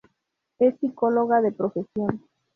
Es psicóloga de profesión.